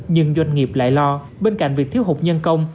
nhưng doanh nghiệp lại lo bên cạnh việc thiếu hụt nhân công